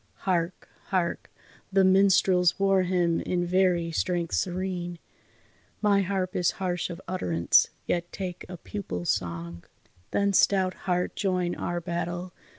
Hark! Hark! The minstrels' war hymn in very strength serene, My harp is harsh of utterance, yet take a pupil's song. Then stout heart join our battle!